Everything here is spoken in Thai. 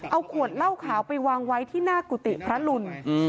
เอาขวดเหล้าขาวไปวางไว้ที่หน้ากุฏิพระลุน